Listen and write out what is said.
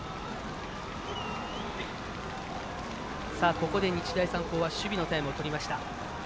ここで日大三高は守備のタイムをとりました。